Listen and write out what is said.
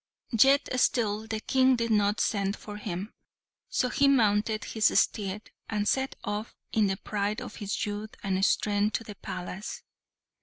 Yet still the King did not send for him, so he mounted his steed and set off in the pride of his youth and strength to the palace.